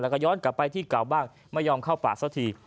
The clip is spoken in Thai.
แล้วก็ย้อนกลับไปที่เก่าบ้างไม่ยอมเข้าป่าสักที